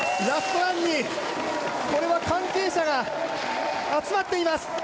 ラストランにこれは関係者が集まっています。